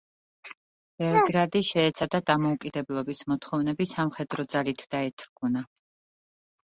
ბელგრადი შეეცადა დამოუკიდებლობის მოთხოვნები სამხედრო ძალით დაეთრგუნა.